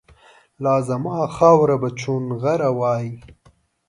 لازما خاوره به چونغره وایي